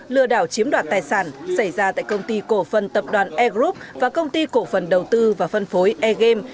lừa đảo chiếm đoạt tài sản xảy ra tại công ty cổ phần tập đoàn air group và công ty cổ phần đầu tư và phân phối air game